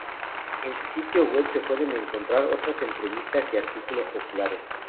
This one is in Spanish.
En su sitio web se pueden encontrar otras entrevistas y artículos populares.